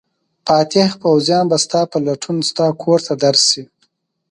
فاتح پوځیان به ستا په لټون ستا کور ته درشي.